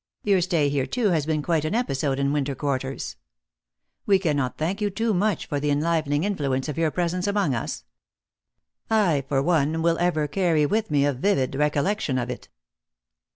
Your stay here, too, has been quite an episode in winter quarters. We cannot thank you too much for the enlivening influence of your presence among us. I, for one, will ever carry with me a vivid recollection of it."